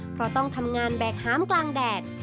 เพราะต้องทำงานแบกหามกลางแดด